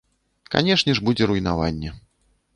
Канечне ж будзе руйнаванне.